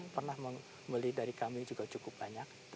pernah membeli dari kami juga cukup banyak